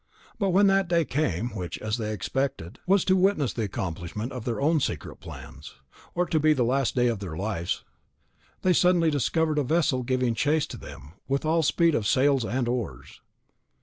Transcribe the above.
But when that day came, which, as they expected, was to witness the accomplishment of their own secret plans, or to be the last of their lives, they suddenly discovered a vessel giving chase to them, with all speed of sails and oars.